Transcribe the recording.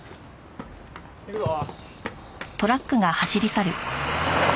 行くぞ。